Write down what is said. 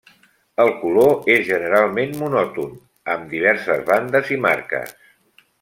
El color és generalment monòton, amb diverses bandes i marques.